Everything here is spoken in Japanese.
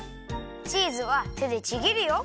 チーズはてでちぎるよ。